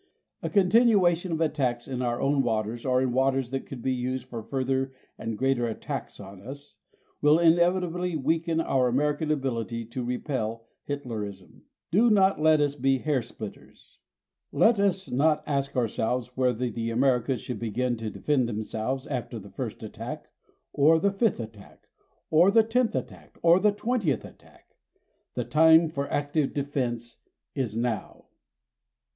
A continuation of attacks in our own waters or in waters that could be used for further and greater attacks on us, will inevitably weaken our American ability to repel Hitlerism. Do not let us be hair splitters. Let us not ask ourselves whether the Americas should begin to defend themselves after the first attack, or the fifth attack, or the tenth attack, or the twentieth attack. The time for active defense is now.